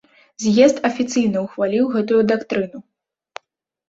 З'езд афіцыйна ўхваліў гэтую дактрыну.